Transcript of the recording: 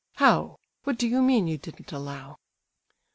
"How—what do you mean you didn't allow?"